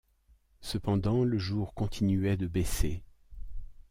Cependant le jour continuait de baisser.